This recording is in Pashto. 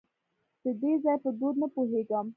د دې ځای په دود نه پوهېږم .